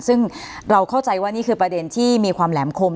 ซึ่งเราเข้าใจว่านี่คือประเด็นที่มีความแหลมคม